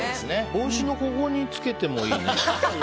帽子のここにつけてもいいね。